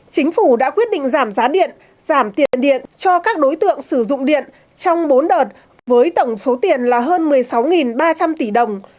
chính phủ đã quyết định giảm giá điện giảm tiền điện cho các đối tượng sử dụng điện trong bốn đợt với tổng số tiền là hơn một mươi sáu ba trăm linh tỷ đồng